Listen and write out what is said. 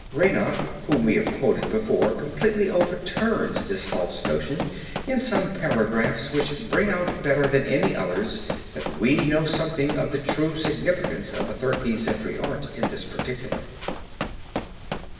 Reinach whom we have quoted before completely overturns this false notion in some paragraphs which bring out better than any others that we know something of the true significance of the Thirteenth Century art in this particular.